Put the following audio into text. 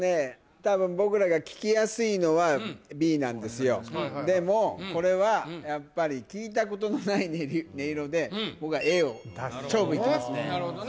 多分僕らが聴きやすいのはＢなんですよでもこれはやっぱり聴いたことのない音色で僕はＡを勝負に出ますねなるほどね